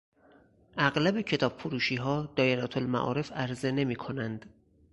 اغلب کتاب فروشیها دایرهالمعارف عرضه نمیکنند.